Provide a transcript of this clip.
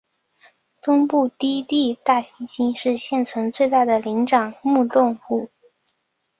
东部低地大猩猩是现存最大的灵长目动物。